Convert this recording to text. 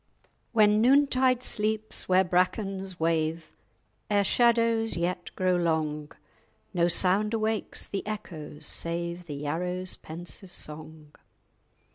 _ When noontide sleeps where brackens wave, Ere shadows yet grow long, No sound awakes the echoes save _The Yarrow's pensive song.